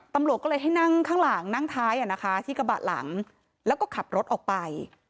ตำรวจก็เลยให้นั่งข้างหลังนั่งท้ายที่กระบะหลังแล้วก็ขับรถออกไป